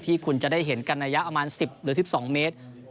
ที่คุณจะได้เห็นกันในระยะอัน๑๐๑๒เมตร